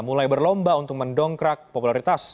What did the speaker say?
mulai berlomba untuk mendongkrak popularitas